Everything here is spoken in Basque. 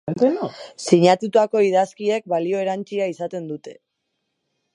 Sinatutako idazkiek balio erantsia izaten dute.